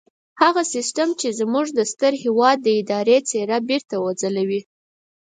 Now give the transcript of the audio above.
هغه سيستم چې زموږ د ستر هېواد اداري څېره بېرته وځلوي.